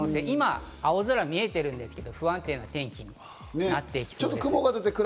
今、青空が見えているんですけど不安定な天気になっていきそうです。